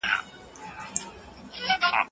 د مطالعې کلتور په کورنۍ کي پېل کېږي.